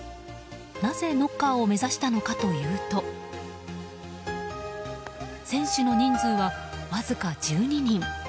なぜノッカーを目指したのかというと選手の人数はわずか１２人。